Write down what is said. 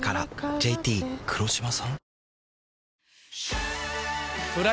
ＪＴ黒島さん？